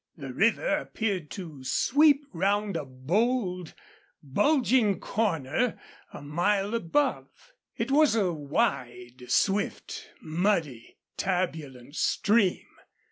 The river appeared to sweep round a bold, bulging corner a mile above. It was a wide, swift, muddy, turbulent stream.